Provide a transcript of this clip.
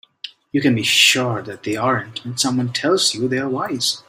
You can be sure that they aren't when someone tells you they are wise.